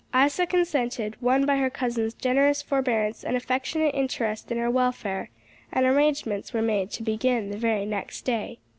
Isa consented, won by her cousin's generous forbearance and affectionate interest in her welfare, and arrangements were made to begin the very next day.